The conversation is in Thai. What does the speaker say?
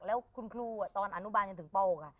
แล้วคุณครูอะตอนอนุบาลยังถึงเป้าอกค่ะ